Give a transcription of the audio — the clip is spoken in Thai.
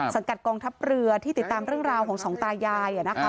สังกัดกองทัพเรือที่ติดตามเรื่องราวของสองตายาย